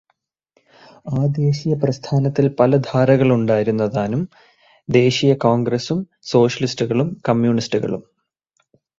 ആ ദേശീയപ്രസ്ഥാനത്തില് പല ധാരകളുണ്ടായിരുന്നു താനും -- ദേശീയ കോണ്ഗ്രസും, സോഷ്യലിസ്റ്റുകളും, കമ്യൂണിസ്റ്റുകളും.